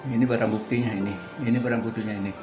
ini barang buktinya ini ini barang buktinya ini